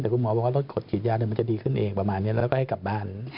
แต่คุณหมอบอกว่ารถกดฉีดยามันจะดีขึ้นเองประมาณนี้แล้วก็ให้กลับบ้าน